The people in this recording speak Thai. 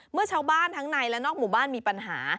เมื่อชาวบ้านทั้งในและนอกหมู่บ้านมีปัญหา